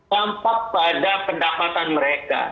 tampak pada pendapatan mereka